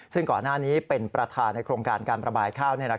ซึ่งก่อนหน้านี้เป็นประธานในโครงการการประบายข้าว